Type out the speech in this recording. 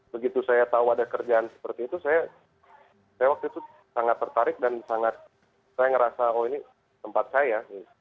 begitu saya tahu ada kerjaan seperti itu saya waktu itu sangat tertarik dan sangat saya ngerasa oh ini tempat saya